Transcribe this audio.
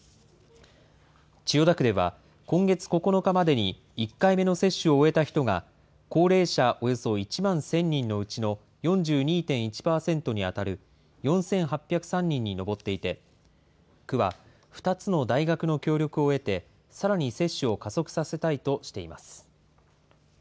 千代田区では今月９日までに１回目の接種を終えた人が、高齢者およそ１万１０００人のうちの４２．１％に当たる４８０３人に上っていて、区は、２つの大学の協力を得て、さらに接種を加速させたいとしています。